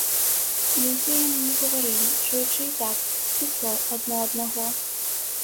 І ўсе яны не гаварылі, чуючы і так, без слоў адно аднаго.